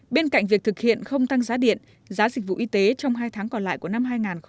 bên cạnh việc thực hiện không tăng giá điện giá dịch vụ y tế trong hai tháng còn lại của năm hai nghìn hai mươi